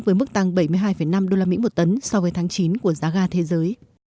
với mức tăng bảy mươi hai năm usd một tấn so với tháng chín của giá ga thế giới